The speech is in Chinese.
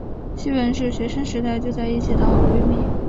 希汶是学生时代就在一起的好闺蜜。